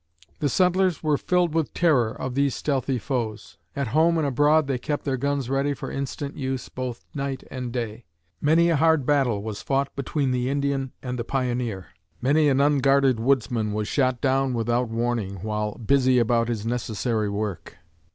The settlers were filled with terror of these stealthy foes. At home and abroad they kept their guns ready for instant use both night and day. Many a hard battle was fought between the Indian and the pioneer. Many an unguarded woodsman was shot down without warning while busy about his necessary work.